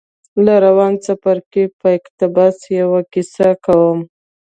له روان څپرکي په اقتباس يوه کيسه کوم.